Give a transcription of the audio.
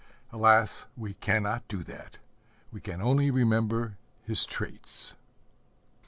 Alas, we cannot do that; we can only remember his traits.